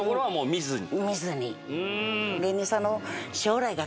見ずに。